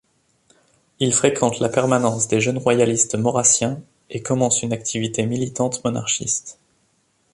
Il fréquente la permanence des jeunes royalistes maurrassiens et commence une activité militante monarchiste.